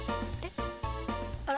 あら？